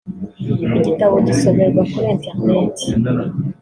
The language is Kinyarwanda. igitabo gisomerwa kuri internet